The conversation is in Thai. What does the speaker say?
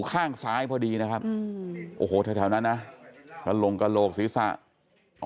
ข้างซ้ายพอดีนะครับอืมโอ้โหแถวนั้นนะกระโหลงกระโหลกศีรษะ